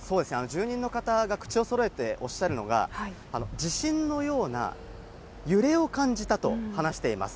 住民の方が口をそろえておっしゃるのが、地震のような揺れを感じたと話しています。